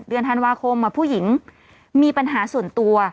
เดือนธันวาคมผู้หญิงมีปัญหาส่วนตัว